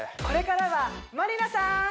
これからはまりなさん